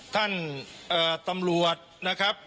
ท่านเอ่อตำรวจนะครับ